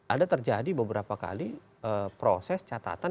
ada terjadi beberapa kali proses catatan